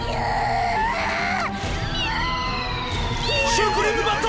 シュークリーム・バット！